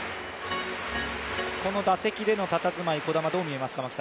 この打席でのたたずまい、どう見えますか。